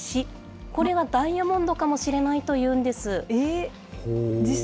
これがダイヤモンドかもしれないというんです。